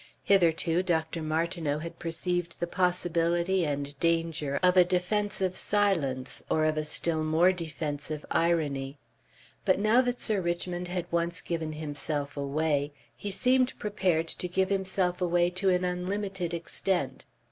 Hitherto Dr. Martineau had perceived the possibility and danger of a defensive silence or of a still more defensive irony; but now that Sir Richmond had once given himself away, he seemed prepared to give himself away to an unlimited extent.